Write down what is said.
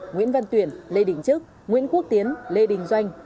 nguyễn văn tuyển lê đình trức nguyễn quốc tiến lê đình doanh